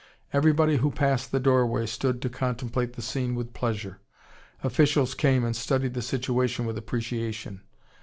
Everybody who passed the doorway stood to contemplate the scene with pleasure. Officials came and studied the situation with appreciation.